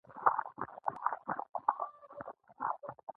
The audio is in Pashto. ازادي راډیو د د ځنګلونو پرېکول په اړه د مخکښو شخصیتونو خبرې خپرې کړي.